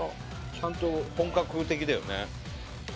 ちゃんと本格的だよね。